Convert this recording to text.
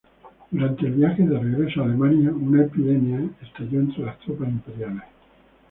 Durante el viaje de regreso a Alemania, una epidemia estalló entre las tropas imperiales.